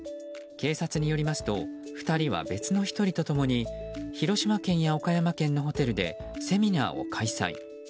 警察によりますと２人は別の１人と共に広島県や岡山県のホテルでセミナーを開催。